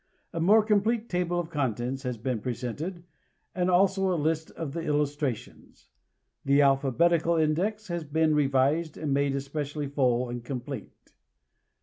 A more complete table of contents has been presented, and also a list of the illustrations; the alphabetical index has been revised and made especially full and complete.